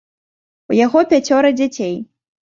У яго пяцёра дзяцей.